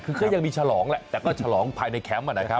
คือก็ยังมีฉลองแหละแต่ก็ฉลองภายในแคมป์นะครับ